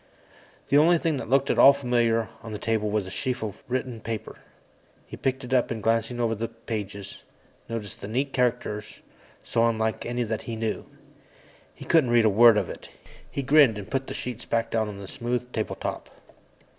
The only thing that looked at all familiar on the table was a sheaf of written material. He picked it up and glanced over the pages, noticing the neat characters, so unlike any that he knew. He couldn't read a word of it. He grinned and put the sheets back down on the smooth table top.